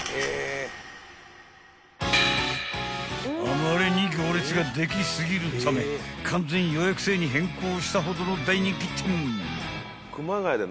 ［あまりに行列ができ過ぎるため完全予約制に変更したほどの大人気店］